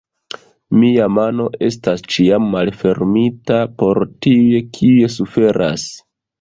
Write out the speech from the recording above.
Mia mano estas ĉiam malfermita por tiuj, kiuj suferas!